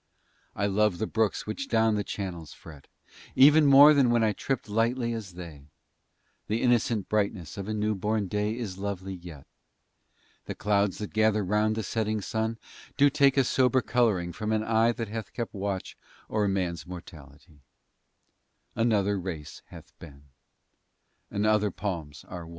I love the Brooks which down their channels fret, Even more than when I tripp'd lightly as they; The innocent brightness of a new born Day Is lovely yet; The Clouds that gather round the setting sun Do take a sober colouring from an eye That hath kept watch o'er man's mortality; Another race hath been, and other palms are won.